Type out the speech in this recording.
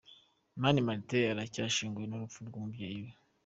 Mani Martin aracyashenguwe n’urupfu rw’umubyeyi we.